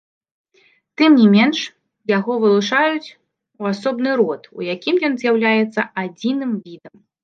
Тым не менш, яго вылучаюць у асобны род, у якім ён з'яўляецца адзіным відам.